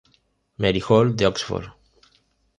Mary Hall de Oxford.